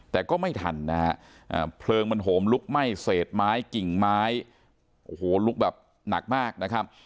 แต่ก็ไม่ทันนะฮะเพลิงมันโหมลุกไหม้เศษไม้กิ่งไม้โอ้โหลุกแบบหนักมากนะครับ